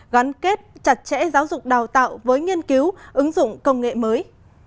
gắn kết chặt chẽ giáo dục đào tạo với nghiên cứu ứng dụng công nghệ mới